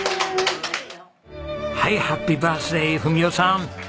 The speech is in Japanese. はいハッピーバースデー文雄さん！